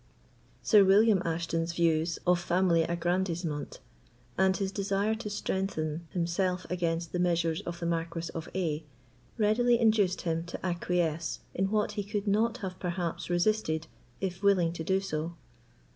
Sir William Ashton's views of family aggrandisement, and his desire to strengthen himself against the measures of the Marquis of A——, readily induced him to acquiesce in what he could not have perhaps resisted if willing to do so.